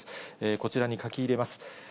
こちらに書き入れます。